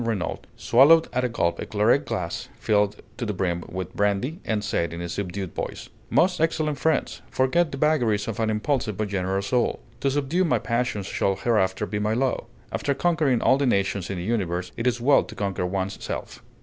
Renault, swallowed at a gulp a claret glass filled to the brim with brandy, and said, in a subdued voice: "Most excellent friends, forget the vagaries of an impulsive but generous soul. To subdue my passions shall hereafter be my law. After conquering all the nations in the universe, it is well to conquer one's self."